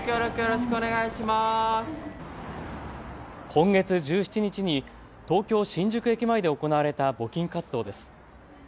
今月１７日に東京新宿駅前で行われた募金活動です。